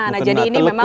nah jadi ini memang